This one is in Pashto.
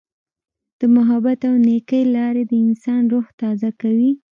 د محبت او نیکۍ لارې د انسان روح تازه کوي.